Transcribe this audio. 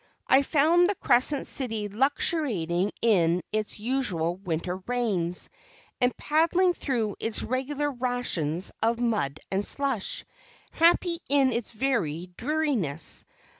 I found the Crescent City luxuriating in its usual winter rains, and paddling through its regular rations of mud and slush happy in its very dreariness.